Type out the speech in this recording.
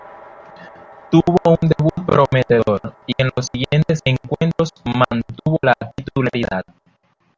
Tuvo un debut prometedor y en los siguientes encuentros mantuvo la titularidad.